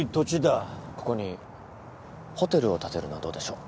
ここにホテルを建てるのはどうでしょう？